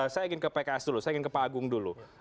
saya ingin ke pks dulu saya ingin ke pak agung dulu